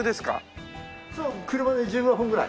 そう車で１５分ぐらい。